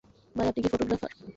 ভাই আপনি কি ফটোগ্রাফার?